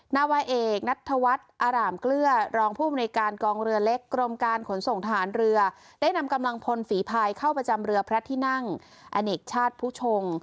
นาวาเอกนัทธวัฒน์อร่ามเกลือรองภูมิในการกองเรือเล็กกรมการขนส่งทหารเรือได้นำกำลังพลฝีภายเข้าประจำเรือพระที่นั่งอเนกชาติผู้ชง